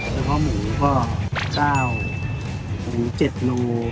เฉพาะหมูก็๙หมู๗โล